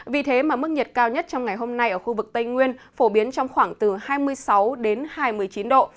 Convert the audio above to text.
vì thế mà mức nhiệt cao nhất trong ngày hôm nay ở khu vực tây nguyên phổ biến trong khoảng từ hai mươi sáu đến hai mươi chín độ